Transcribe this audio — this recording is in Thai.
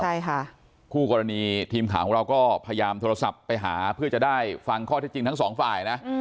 ใช่ค่ะคู่กรณีทีมข่าวของเราก็พยายามโทรศัพท์ไปหาเพื่อจะได้ฟังข้อเท็จจริงทั้งสองฝ่ายนะ